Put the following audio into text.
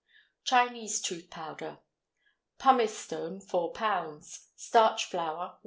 CHINESE TOOTH POWDER. Pumice stone 4 lb. Starch flour.